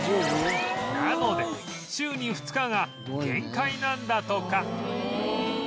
なので週に２日が限界なんだとか